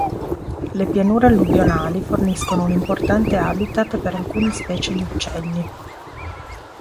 Le pianure alluvionali forniscono un importante habitat per alcune specie di uccelli.